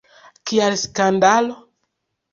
Kial skandalo?